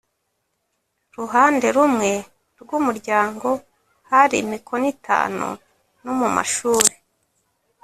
ruhande rumwe rw umuryango hari imikono itanu no mu mashuri